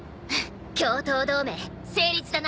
共闘同盟成立だな！